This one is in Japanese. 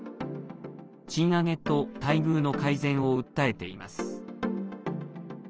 賃上げと待遇の改善を訴えています。